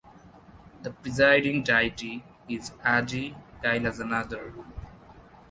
The presiding deity is Adi Kailasanathar.